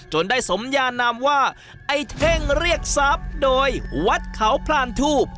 ได้สมยานามว่าไอ้เท่งเรียกทรัพย์โดยวัดเขาพลานทูบ